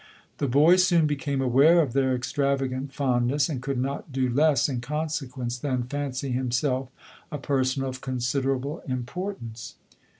The boy soon became aware of their extravagant fondness, and could not do less in consequence than fancy himself a person of considerable importance.